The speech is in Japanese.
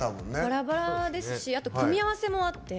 バラバラですしあと組み合わせもあって。